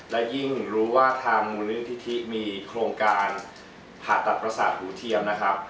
และยิ่งรู้ว่าทางมูลเรียนพิธีมีโครงการผ่าตัดประสาทหูเทียม